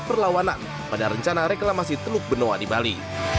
perlawanan pada rencana reklamasi teluk benoa di bali